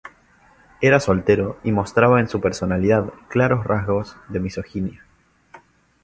Era soltero y mostraba en su personalidad claros rasgos de misoginia.